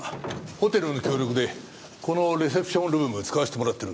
ホテルの協力でこのレセプションルーム使わせてもらってるんだ。